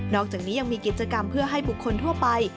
อกจากนี้ยังมีกิจกรรมเพื่อให้บุคคลทั่วไป